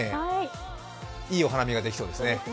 いいお花見ができそうですね。